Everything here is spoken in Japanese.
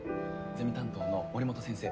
ゼミ担当の森本先生。